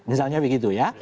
misalnya begitu ya